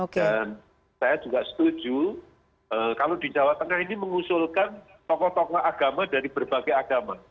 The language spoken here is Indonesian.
dan saya juga setuju kalau di jawa tengah ini mengusulkan tokoh tokoh agama dari berbagai agama